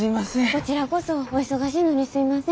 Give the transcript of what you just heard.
こちらこそお忙しいのにすいません。